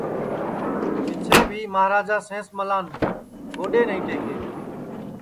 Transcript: پیچھیں بھی مہاراجا سینس ملان گوڈؔے نائی ٹئکے